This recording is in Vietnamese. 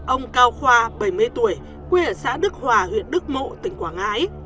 ông cao khoa bảy mươi tuổi quê ở xã đức hòa huyện đức mộ tỉnh quảng ngãi